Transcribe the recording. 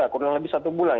kurang lebih satu bulan